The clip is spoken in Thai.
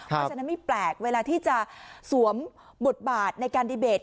เพราะฉะนั้นไม่แปลกเวลาที่จะสวมบทบาทในการดีเบต